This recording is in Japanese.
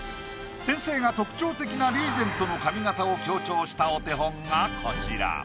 先生が特徴的なリーゼントの髪型を強調したお手本がこちら。